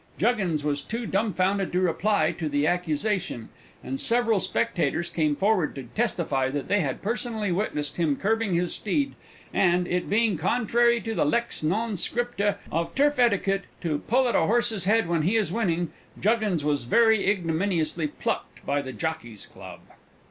Juggins was too dumbfoundered to reply to the accusation, and several spectators came forward to testify that they had personally witnessed him curbing his steed, and it being contrary to the lex non scripta of turf etiquette to pull at a horse's head when he is winning Juggins was very ignominiously plucked by the Jockey's Club.